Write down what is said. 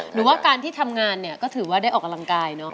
หรือว่าการที่ทำงานเนี่ยก็ถือว่าได้ออกกำลังกายเนอะ